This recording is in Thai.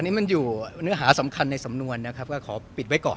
นี่มันอยู่เนื้อหาสำคัญในสำนวนนะครับก็ขอปิดไว้ก่อน